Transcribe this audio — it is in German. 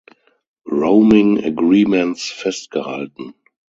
Roaming-Agreements festgehalten.